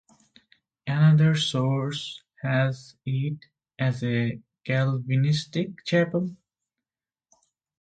Another source has it as a "Calvinistic" chapel.